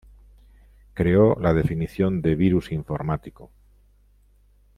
Creó la definición de "virus informático".